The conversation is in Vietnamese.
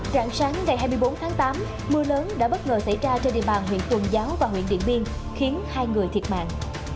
rạng sáng ngày hai mươi bốn tháng tám mưa lớn đã bất ngờ xảy ra trên địa bàn huyện tuần giáo và huyện điện biên khiến hai người thiệt mạng